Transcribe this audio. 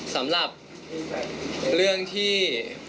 สำหรับเรื่องที่